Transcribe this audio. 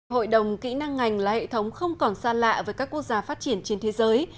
hội đồng kỹ năng ngành là hệ thống không còn xa lạ với các quốc gia phát triển trên thế giới